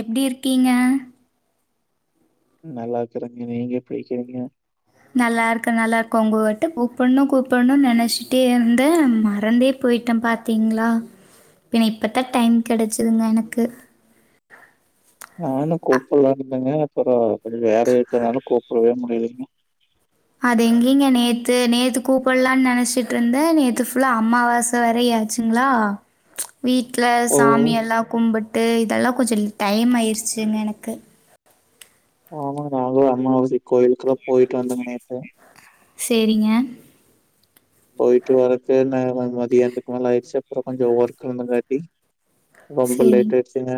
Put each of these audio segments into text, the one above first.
எப்படி இருக்கீங்க நல்லா இருக்குறேயன்ங்க நீங்க எப்படி இருக்கீங்க நல்லா இருக்கேன் நல்லா இருக்கோம் உங்கட்ட கூப்பிடணும் கூப்பிடணும்னு நினைச்சுட்டே இருந்தேன் மறந்தே போயிட்டேன் பாத்தீங்களா பின்ன இப்பத்தான் டைம் கிடைச்சிதுங்க எனக்கு நானும் கூப்பிடலந்தேங்க அப்புறம் கொஞ்சம் வேல இருக்கதுனாலும் கூப்பிடவே முடியறதுலங்க அது எங்கிங்க நேத்து நேத்து கூப்பிடலாம்னு நினைச்சிட்டு இருந்தன் நேத்து புல்லா அம்மாவாசை வர யாச்சுங்களா ஓ! வீட்லசாமியெல்லாம் கும்பிட்டு இதெல்லாம் கொஞ்சம் டைம் ஆயிடுச்சுங்க எனக்கு ஆமாங்க நாங்களும் அம்மாவாசைய்க்கு கோயிலுக்குெல்லாம் போயிட்டு வந்தேங்க நேத்து சேரிங்க போயட்டு வறக்கு என்ன மதியக்கு மேலயடுச்சு அப்புறம் கொஞ்சம் ஓர்கும் இருந்தங்காட்டி ரொம்ப லேட் சரிங்க. ஆயிடுச்சங்க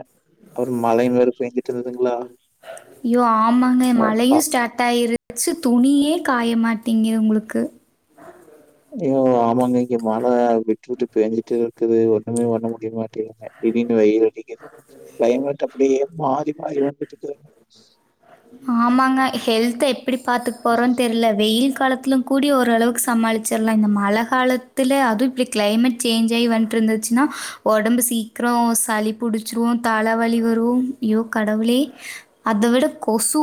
அ மழைய வேற போய்ஞ் தெரியுதுங்களா யோ ஆமாங்க மழையும் ஸ்டார்ட் ஆயிருச்சு துணியே காயமாட்ட இங்கே உங்களுக்கு யோ ஆமாங்க இங்க மழை விட்டு விட்டு பேஞ்சுட்டே இருக்குது ஒண்ணுமே பண்ண முடியலங்க ங்க திடிர்னு வெயில்அடிக்குது கிளைமேட் அப்படியே மாறி மாறி வந்துட்டு இருக்குது ஆமாங்க ஹெல்தி எப்படி பாரத்துக்கு போறோம் தெரியில வெயில் காலத்தை கூடி ஓரளவுக்கு சமாளிச்சிடலாம் இந்த மழை காலத்தில அதுவும் இப்படி கிளைமேட் சேஞ்ச் ஆகி வந்துட்டு இருந்துச்சுன்னா உடம்பு சீக்கிரம் சளி பிடிச்சிரும் தலைவலி வரும் ஐயோ கடவுளே அதை விட கொசு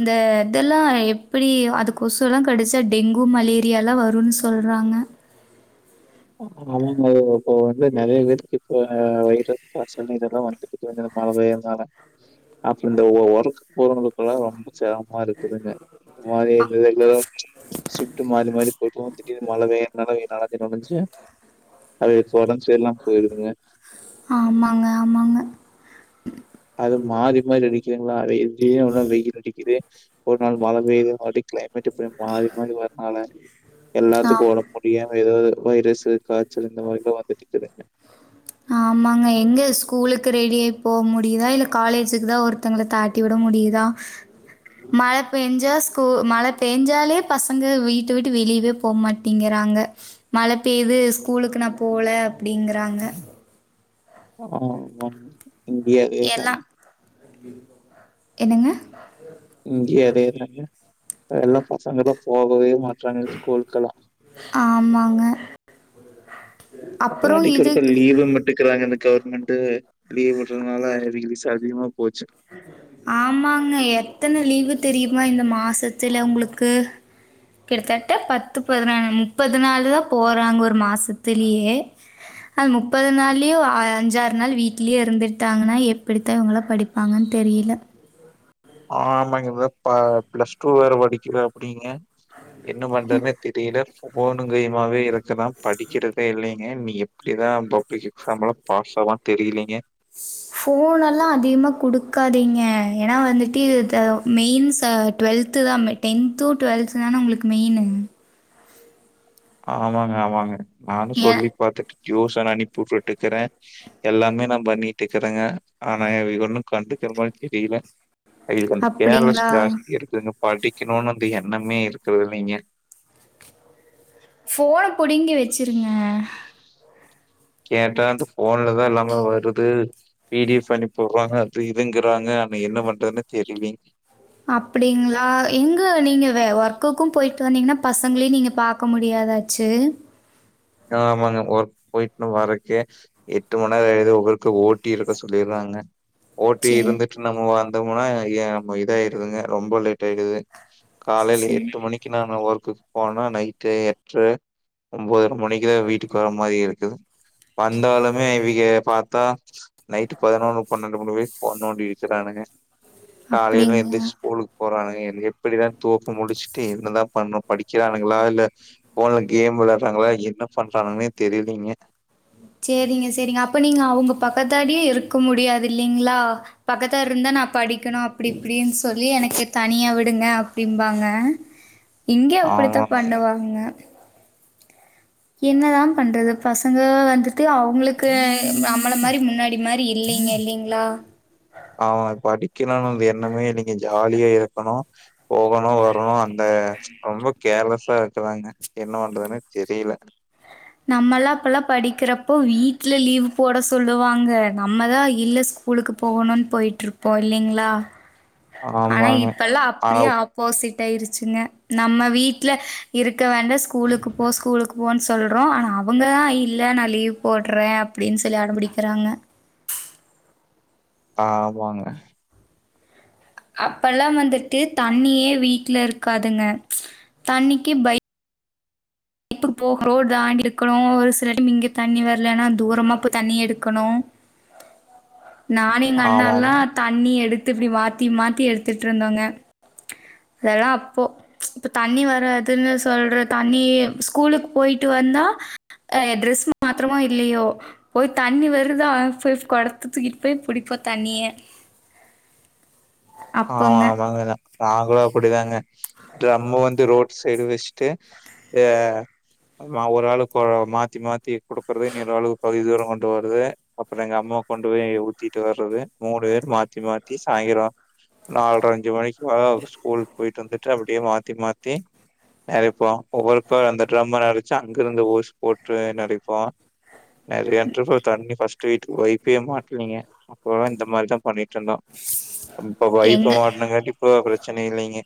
இந்த இதெல்லாம் எப்படி அது கொசுல்லாம் கடிச்சா டெங்கு மலேரியலாம் வரும்ன்னு சொல்றாங்க ஆமாங்க இப்ப வந்து நெறைய பேருக்கு இப்ப வய பசங்க இ இதெல்லாம் வந்து மழை பெயிறதுனால அப்புறம் இந்த ஒர்க் போறவங்க ல்லாம் ரொம்ப சிரமமா இருக்குதுங்க இந்த மாதிரி ரெகுலர ஷிப்ட் மாறி மாறி போயிட்டும் திடிர்னு மழை வேற வெயில் ஏதாவது வந்துச்சு அது ஒடம்பு சரியில்லமா போயிருதுங்க ஆமாங்க ஆமாங்க அது மாறி மாறி அடிக்குங்களா இங்கயும் வெயில் அடிக்குது ஒரு நாள் மழ பெய்யுது மறுபடி கிளைமேட் இப்படி மாறி மாறி வரனால ஆம். எல்லாத்துக்கும் ஒடம்பு முடியாம இருக்குது வைரசஸு காய்ச்சலு இந்த மாரி எல்லா வந்துட்டு இருக்குதுங்க ஆமாங்க எங்க ஸ்கூலுக்கு ரெடியாயி போக முடியுதா இல்ல காலேஜுக்கு தான் ஒருத்தங்களை தாட்டி விட முடியுதா மழ பெஞ்சா ஸ்கூல் மழ பெஞ்சாலே பசங்க வீட்டு வீட்டு வெளியயே போகமாட்டேங்கிறாங்க மழ பெய்து ஸ்கூலுக்கு நான் போல அப்படிங்கறாங்க ஆஹ இந்தியாவே தான் எல்லாம் என்னங்க இங்கே அதே தான் எல்லா பசங்களும் போகவே மாட்ட ஸ்கூல்கெல்லாம் ஆமாங்க. அப்பலாம் அப்புறம் இது அடிக்கக்க லீவ மட்டுக்கறாங்க கவர்மெண்ட்டு லீவ் விடுறதுனால விச அதிகமா போச்சு. ஆமாங்க எத்தன லீவ் இது தெரியுமா இந்த மாசத்துல உங்களுக்கு கிட்டத்தட்ட பத்து பதினால முப்பது நாள் தான் போறாங்க ஒரு மாசத்துலயே அது முப்பது நாளேம அஞ்சாறு நாள் வீட்லயே இருந்துட்டாங்கன்னா எப்படித்தான் இவங்கள படி அது தெரியல ஆமாங்க பிளஸ் டூ வேற படிக்கிறாப்டிங்க என்ன பண்றதுன்னு தெரியல போனுங்கையமாவே இருக்கு செரிப்பா படிக்கிறதே இல்லைங்க எப்டிதா பப்ளிக் எக்ஸாம்ல்லா பாஸ் ஆவான் தெரியலீங்க ஸ் ஃபோன்னல்லா அதிகமா குடுக்காதீங்க ஏனா வந்துட் டி து தா மெயின் ச டுவெல்த்து தா மெ டென்த்தும் டுவெல்த்து தானே உங்களுக்கு மெயின்னு ஆமாங்க ஆமாங்க நானும் ஏ சொல்லி பாத்துட்டே ஜூஸ் ஆன நா அனுப்பிவுட்டுட்டு இருக்கறே எல்லாமே நா பண்ணிட்டு இருக்றேங்க ஆனா இவ ஒண்ணோ கண்டுக்கற மாரி தெரியல. இதுக்கு வந்து கேர்ளஸ் அப்படிங்களா? ஜாஸ்தி இருக்குதுங்க படிக்கன்னுன் அந்த எண்ணமே இருக்கறது இல்லீங்க ஃபோன்ன புடிங்கி வச்சுருங்க கேட்டா அந்த போன்லதா எல்லாமே வருது பிடிஎஃப் பண்ணி போர்றாங்க அது இதுங்கறாங்க ஆன என்ன பண்றதுன்னு தெரியலீங் அப்டிங்களா எங்க நீங்க வே ஒர்க்குக்கோ போயிட்டு வந்தீங்கன்னா பசங்களையு நீங்க பாக்க முடியாத ஆச்சு ஆமாங்க ஒர்க் போயிட்டுன் வரக்கே எட்டு மண்நேர ஆயிடுது ஓர்க்கு ஓ டி இருக்க சொல்லிறாங்க ஓட்டி சரி, இருந்துட்டு நம்ம வந் அங்க போனா ஏ இத ஆயிருதுங்க ரொம்ப லேட் ஆயிடுது காலையல் சரி. எட்டு மணிக்கு நானு ஒர்க். போனா நைட்டு எட்ற ஒம்பது ஒம்பது மணிக்க வீட்டுக்கு வர மாரி இருக்குது வந்தாலுமே இவிக பாத்தா நைட்டு பதினொன்னு பன்னெடு மணி வரக் ஃபோன் நோண்டிட்க்கிறங்க காலையல அப்படிங்களா? எந்திரிச்சி ஸ்கூல்க்கு போறனுக எந் எப்டிதா தூக்கம் முடிச்சுட்டு என்னதா பண்ண படிக்கறானங்களா இல்ல ஃபோன்ல கேம் விளையாறாங்களா என்ன பண்றாங்கன்னே தெரியலீங்க சேரிங்க செரிங்க அப்ப நீங்க அவுங்க பக்கத்தடியே இருக்க முடியாது இல்லீங்களா பக்கத்தா இருந்தா நா படிக்கணு அப்டி இப்டின்னு சொல்லி எனக்கு தனியா விடுங்க அப்டிம்பாங்க இங்கே அப்டித்தா ஆமாங்க பண்ணுவாங்க என்னதா பண்றது பசங்க வந்துட் டு அவுங்களுக்கு நம்மள மாரி முன்னாடி மாரி இல்லைங்க இல்லீங்களா அவுங்க படிக்கணுன் அந்த எண்ணமே நீங்க ஜாலியா இருக்கணும் போகணும் வரணும் அந்த ரொம்ப கேர்லஸ்ஸா இருக்கறாங்க என்ன பண்றதுன்ன தெரியல நம்மல்லா அப்பல்லா படிக்கறப்ப வீட்ல லீவு போட சொல்லுவாங்க நம்மதா இல்ல ஸ்கூலுக்கு போகணுன் போயிட்டு இருப்போம் இல்லீங்களா ஆனா ஆமாங்க இப்பல்லா ஆ அப்டியே ஆப்போசிட் ஆயிருச்சுங்க நம்ம வீட்ல இருக்க வேண்டா ஸ்கூலுக்கு போ ஸ்கூலுக்கு போன் சொல் றோம் ஆனா அவுங்க தா இல்ல நா லீவ் போடறே அப்டின் சொல்லி அடம்பிடிக்கிறாங்க ஆமாங்க அப்பல்லா வந்துட்டு தண்ணியே வீட்ல இருக்காதுங்க தண்ணிக்கு பய் புக் ரோடு தாண்டி இருக்கணும் ஒரு சில டைம் இங்க தண்ணி வரலன்னா தூரமா போய் தண்ணி எடுக்கணும் நானு எங்க அண்ணா ல்லா ஆமாமா தண்ணி எடுக் இப்டி மாத்தி மாத்தி எடுத்துட்டு இருந்தோங்க அதெல்லா அப்போ இப்ப தண்ணி வராதுன்னு சொல்ற தண்ணிய ஸ்கூலுக்கு போயிட்டு வந்தா ஆ டிரெஸ் மாத்திரமோ இல்லயோ போய் தண்ணி வருதா போய் குடத்த தூக்கிட் போய் புடிப்போம் தண்ணியே ஆமா ஆமாங்க நா நாங்களும் அப்டிதாங்க து நம்ம வந்து ரோட் சைடு வஷ்ட்டு ஆ மா ஒரு ஆளுக்கு கு மாத்தி மாத்தி குடுக்குறது இன்னொ ஆளுக் பாதி தூரம் கொண்டு வறது அப்பறம் எங்க அம்மா கொண்டு போய் ஊத்திட்டு வறது மூணு பேர் மாத்தி மாத்தி சாய்ந்தரம் நால்ர அஞ்சு மணிக்கு மேல ஸ்கூல் போயிட்டு வந்துட்டு அப்டியே மாத்தி மாத்தி நெறைப்போ போறப்ப அந்த ட்ரம்மல்லா வச்சு அங்கருந்து ஓஸ் போட்டு நெறைப்போ நெறயா ட்ரிப்பு தண்ணி ஃபஸ் டிட் ஒய்ப்பயே மாட்டுவிங்க அப்போலா இந்த மாரிதா பண்ணிட்ருந்தோ [inaudible] இப்ப பைப்ப எங்க மாட்னாங்காட்டி இப்ப‌தா பிர ச்சனையில்லைங்க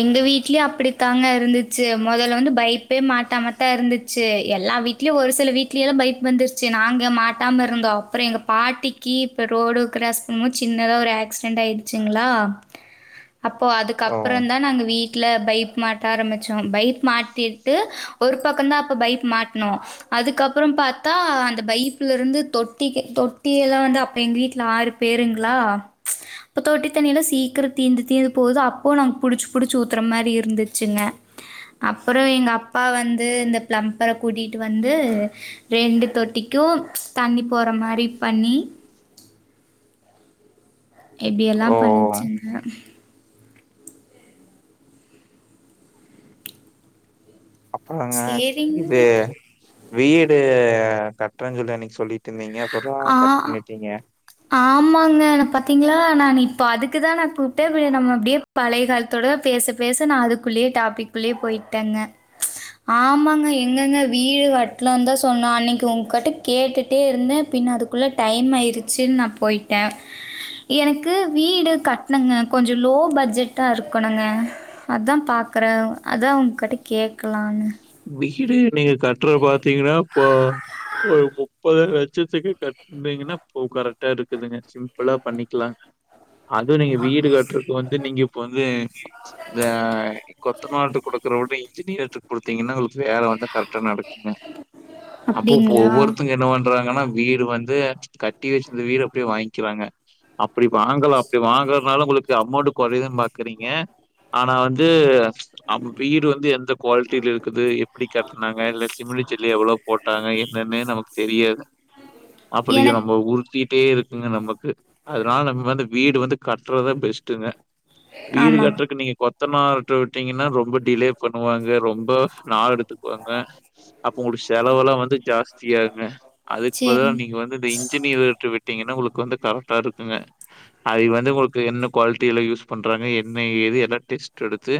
எங்க வீட்லயு அப்பிடித்தாங்க இருந்துச்சு மொதல்ல வந்து பைப்பே மாட்டாமத்தா இருந்துச்சு எல்லா வீட்லயு ஒரு சில வீட்லயெலா பைப் வந்துர்ச்சு நாங்க மாட்டாமருந்தோ அப்பறொ எங்க பாட்டிக்கு இப்ப ரோடு க்ராஸ் பண்ணும்மோ சின்னதா ஒரு ஆக்சிடென்ட் ஆயிடுச்சுங்களா அப் பொ ஓ அதுக்கப்றொந்தா நாங்க வீட்ல பைப் மாட்ட ஆரமிச்சோ பைப் மாட்டிட்டு ஒரு பக்கொந்தா அப்ப பைப் மாட்னொ அதுக்கப்றொ பாத்தா அந்த பைப்லருந்து தொட்டிக்கு தொட்டி எல்லா வந்து அப்ப எங்க வீட்ல ஆறு பேருங்ளா அப்ப தொட்டி தண்ணியல்லா சீக்கிர தீந்து தீந்து போது அப்பொவு நாங்க புடுச்சு புடுச்சு ஊத்துற மாரி இருந்துச்சுங்க அப்பறொ எங்க அப்பா வந்து இந்த பிளம்பர கூட்டிட்டு வந்து ரெண்டு தொட்டிக்கு தண்ணி போற மாரி பண்ணி எப்டியெல்லா ஓ பண்ணுச்சுங்க அப்பொறங்க இது சரிங்க வீடு நா கட்றன் சொல்லி அன்னைக் சொல்லி ஆ ஆமாங்க ந பாத்தீங்களா நான் இப்ப அதுக்குதா நா கூப்டே பின்ன நம்ம அப்டியே பழைய காலத்தோட பேச பேச நா அதுக்குள்ளயே டாபிக்குள்ளயே போயிட்டேங்க ஆமாங்க எங்கங்க வீடு கட்லான்தா சொன்னா அன்னைக்கு ஒங்கட்ட கேட்டு ட்டே இருந்தே பின்ன அதுக்குள்ள டைம் ஆயிருச்சுன் நா போயிட்டே எனக்கு வீடு கட்னுங்க கொஞ்சொ லோ பட்ஜெட்டா இருக்கணுங்க அதா பாக்கறே அதா ஒங்கிட்ட கேக்கலான்னு வீடு நீங்க கட்றத பாத்தீங்கன்னா இப்போ ஒரு முப்பதுலச் சத்துக்கு கட்னீங்கனா இப்போ கரெக்டா இருக்குதுங்க சிம்பிளா பண்ணிக்லா அதுவு நீங்க வீடு கட்றக்கு வந்து நீங்க இப்ப வந்து இந்த அ கொ த்தனார்ட குடுக்கறவுட இன்ஜினியர்ட கு த்திங்கனா ஒங்ளு வேல வந்தா கரெக்டா நடக்குங்க அப்போ போ அப்டிங்களா ஒவ்வொருத்தங்க என்ன ப ண்றாங்கனா வீடு வந்து கட்டி வச்சுந்த வீட அப்டியே வாங்க்கிறாங்க அப்டி வாங்கலா அப்டி வாங்குறனால ஒங்களுக்கு அமௌன்ட்டு கொறயிதுன் பாக்குறீங்க ஆனா வந்து அவு வீடு வந்து எந்த குவாலிட்டில இரு க்குது எப்பிடி கட்டுனாங்க இல்ல சிமின்ட்டு சல்லி எவ்வளொ போட்டாங்க என்னன்னே நமக்கு தெரியாது அப்பற எ எனக் நம்ம உறு தீட்டே இருக்குங்க நமக்கு அதுனால நம்ம வந்து வீடு வந்து கட்றதுதா பெஸ்ட்டுங்க வீடு ஆமாங்க கட்றக்கு நீங்க கொ த்தனாருட்ட விட்டீங்கன்னா ரொம்ப டிலே பண்ணுவாங்க ரொம்ப நாள் எடுத்துக்குவாங்க அப்போ உங்ளொட செலவல்லா வந்து ஜாஸ்தியாகுங்க அதுக்கு பதுலா சேரிங்க நீங்க வந்து இந்த இன்ஜினியர்கிட்ட விட் டீங்கனா உங்களுக்கு வந்து கரெக்டா இருக்குங்க அதி வந்து உங்ளுக்கு என்ன க்வாலிட்டில யூஸ் பண்றாங்க என்ன ஏது எல்லா டெஸ்ட் எடுத்து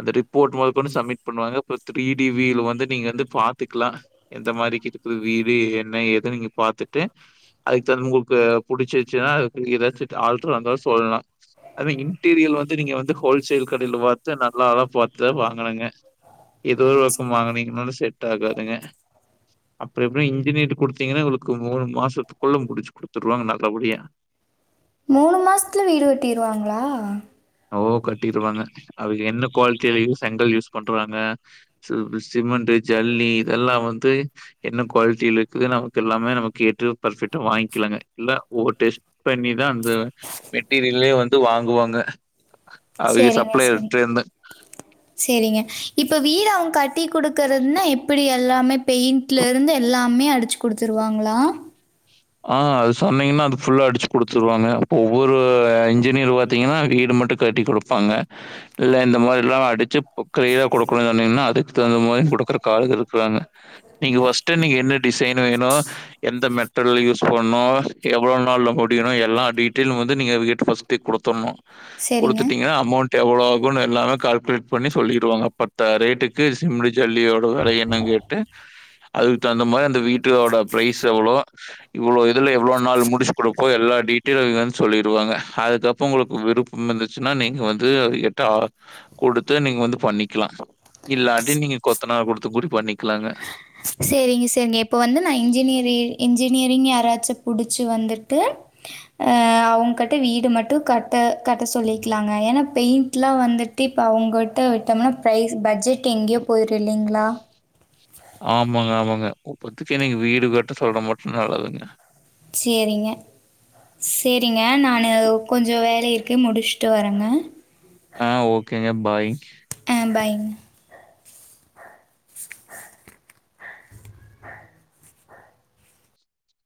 அந்த ரிப்போர்ட் மொதக்கொண்டு சப்மிட் பண்ணுவாங்க இப்ப த்ரீ டி வி ல வந்து நீங்க வந்து பாத்துக்லா எந்த மாரிக்கிதுக்கு வீடு என்ன ஏது நீங்க பாத்துட்டு அதுக்குத உங்களுக்கு புடுச்சிருச்சுனா அதுக்கு எதாச்சு ஆல்டரா இருந்தா சொல்லா அது இன்டீரியல் வந்து நீங்க வந்து ஹோல்சேல் கடைல பாத்து நல்ல ஆள பாத்துத வாங்கனுங்க இதோ ஒரு பக்க வாங்குனீங்கனால செட் ஆகாதுங்க அப்ற எப்டி இன்ஜினீர் குடுத்தீங்கன்னா உங்களுக்கு மூணு மாசத்துக்குள்ள முடிச்சு குடுத்துருவாங்க நல்லபடியா மூணு மாசத்துல வீடு கட்டிருவாங்களா ஓ கட்டிருவாங்க அதுக்கு என்ன குவாலிட்டிலய செங்கல் யூஸ் பண்றவாங்க சிமெண்ட் ஜல்லி இதெல்லா வந்து என்ன குவாலிட்டியில இருக்குது நமக்கு எல்லாமே நம கேட்டு பர்பெக்ட்டா வாங்கிக்கலங்க இல்ல ஓ டெஸ்ட் பண்ணிதா இது மெட்டீரியலே வந்து டு வாங்குவாங்க அவங்க செரிங்க செரி சப்ளையர்ட்டேருந்து. செரிங்க இப்ப வீரா ம் கட் டீ குடுக்கறிறதுன்னா எப்படி எல்லாமே பெயிண்ட்ல இருந்து எல்லாமே அடிச்சு குடுத்துருவாங்களா ஆ அது சொன்னீங்கன்னா அது புல்ல அடிச்சு குடுத்துருவாங்க ஒவ்வொரு இன்ஜினியர் பாத்தீங்கன்னா வீடு மட்டு கட்டி குடுப்பாங்க இல்ல இந்த மாரில்லா அடிச்சு உக்கரியா கொடுக்கணும்னு சொன்னீங்கன்னா அதுக்கு தகுந்த மாரி கொடுக்கற கால இருக்கிறாங்க நீங்க பர்ஸ்ட் என்ன டிசைன் வேனு எந்த மெத்தட் ட்டல்ல யூஸ் பண்ணு எவ்ளோ நாள்ல முடியணு எல்லா டீட்டெலு வந்து நீங்க கிட்ட ஃபஸ்ட்ட கொத்தர்ணு சரிங்க. குடுத்துடீங்கனா அமௌண்ட் எவ்ளோ ஆகனு எல்லாமே கால்குலேட் பண்ணில்லிடுவாங்க பத்தா ரேட்டுக்கு சிம்லி ஜல்லியோட வெலயென்ன கேட்டு அதுக்கு தகுந்த மாரி அந்த வீட் டோட ப்ரைஸ் எவ்ளோ இவ்ளோ இதுல எவ்ள நாள் முடிச்சு கொடுப்போ எல்லா டீட்டெயில் அவங்க வந்து சொல்லிடுவாங்க அதுக்கப்ற உங்களுக்கு விருப்பம் இருந்துச்சுன்னா நீங்க வந்து கட்ட கொடுத்து நீங்க வந்து பண்ணிக்கலாம் இல்லாநாட்டி நீங்க கொத்த நார் கொடுத்து கூடி ப செரிங்க செரிங்க இப்போ வந்து நா இன்ஜினியரிங் இன்ஜினியரிங் யாராச்சு புடிச்சி வந்துட்டு அவங்கக்கிட்ட வீடு மட்டு கட்ட கட்ட சொல்லிக்கலாங்க ஏன்னா பெயிண்ட்லா வந்துட்டு இப்போ அவங்கிட்ட விட்டோம்னா ப்ரைஸ் பட்ஜெட் எங்கயோ போயிரு இல்லலைங்களா ஆமாங்க ஆமாங்க உப்பத்துக்கு இன்னைக்கு வீடு கட்ட சொல்ற மட்டு நல்லதுங்க செரிங்க செரிங்க நானு கொஞ்ச வேல இருக் கு முடிச்சுட்டு வரங்க ஆ ஓகேங்க பாய்க் ம் பாய் ஆஹ